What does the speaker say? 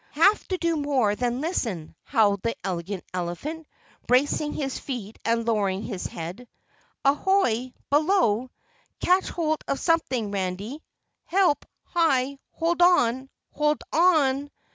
"Have to do more than listen," howled the Elegant Elephant, bracing his feet and lowering his head. "Ahoy! below catch hold of something, Randy! Help! Hi! Hold on! HOLD ON!